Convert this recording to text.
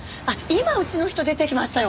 今うちの人出て行きましたよ。